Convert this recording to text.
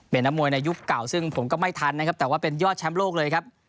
เป็นนักมวยในยุคเก่าซึ่งผมก็ไม่ทันนะครับแต่ว่าเป็นยอดแชมป์โลกเลยครับ